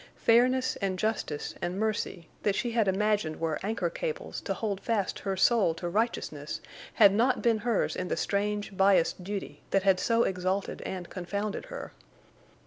Fairness and justice and mercy, that she had imagined were anchor cables to hold fast her soul to righteousness had not been hers in the strange, biased duty that had so exalted and confounded her.